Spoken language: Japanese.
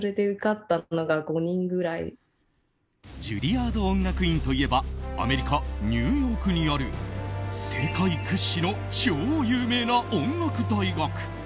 ジュリアード音楽院といえばアメリカ・ニューヨークにある世界屈指の超有名な音楽大学。